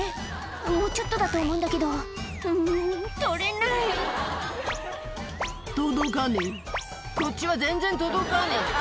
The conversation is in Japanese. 「もうちょっとだと思うんだけどうん取れない」「届かねえこっちは全然届かねえ」